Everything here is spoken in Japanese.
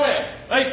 はい！